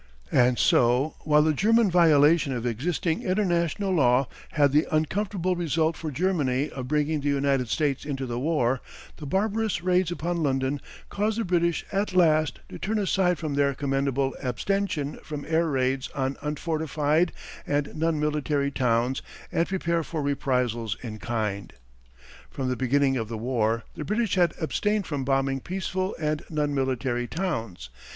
And so, while the German violation of existing international law had the uncomfortable result for Germany of bringing the United States into the war, the barbarous raids upon London caused the British at last to turn aside from their commendable abstention from air raids on unfortified and non military towns and prepare for reprisals in kind. From the beginning of the war the British had abstained from bombing peaceful and non military towns.